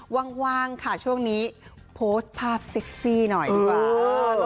ว่างค่ะช่วงนี้โพสต์ภาพเซ็กซี่หน่อยดีกว่า